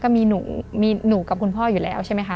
ก็มีหนูกับคุณพ่ออยู่แล้วใช่มั้ยคะ